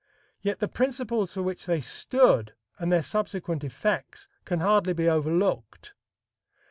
Yet the principles for which they stood, and their subsequent effects can hardly be overlooked.